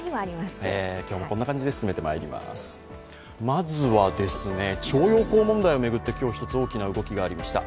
まずは徴用工問題を巡って、今日１つ大きな動きがありました。